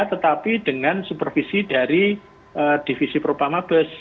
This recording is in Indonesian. tetapi dengan supervisi dari divisi propa mabes